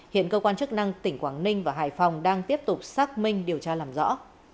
hiện cơ quan chức năng tỉnh quảng ninh và hải phòng đang tiếp tục xác minh điều tra làm rõ